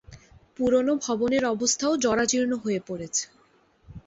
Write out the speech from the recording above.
পুরোনো ভবনের অবস্থাও জরাজীর্ণ হয়ে পড়েছে।